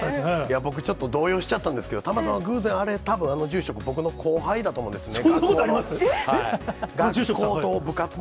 僕ちょっと動揺しちゃったんですけど、あれ、たぶん、あの住職、僕の後輩だと思うんです、学校の。